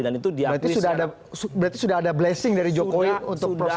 jadi sudah ada blessing dari jokowi digerakkan di proses poltik ini